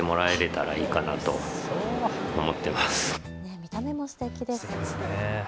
見た目もすてきですね。